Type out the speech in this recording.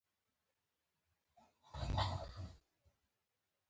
د فرانسې له یو موزیم څخه مجسمه لیرې کړل شوه.